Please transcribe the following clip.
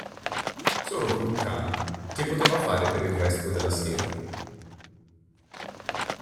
Solo come un cane, che poteva fare per il resto della sera?